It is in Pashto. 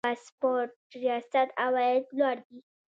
د پاسپورت ریاست عواید لوړ دي